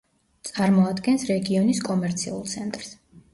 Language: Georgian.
წარმოადგენს რეგიონის კომერციულ ცენტრს.